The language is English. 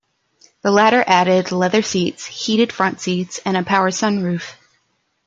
The latter added leather seats, heated front seats and a power sunroof.